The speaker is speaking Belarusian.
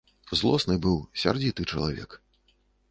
Злосны быў, сярдзіты чалавек.